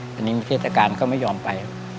ทีนี้มีเศรษฐการณ์เขาไม่ยอมไป